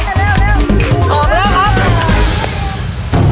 ออกแล้วครับ